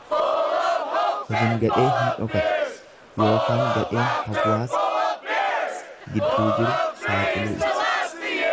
Hojin gadhee hin dhokatu ykn gadheen hawwaasa gidduu jiru saaxiluu ibsa.